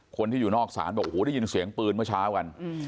คนที่อยู่นอกศาลบอกโอ้โหได้ยินเสียงปืนเมื่อเช้ากัน